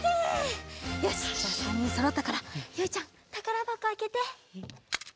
よしじゃあ３にんそろったからゆいちゃんたからばこあけて。